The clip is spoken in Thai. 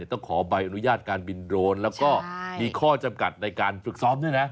ต้องขอใบอนุญาตการบินโดรนแล้วก็มีข้อจำกัดในการฝึกซ้อมด้วยนะ